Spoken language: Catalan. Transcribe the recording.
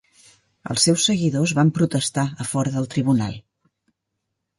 Els seus seguidors van protestar a fora del tribunal.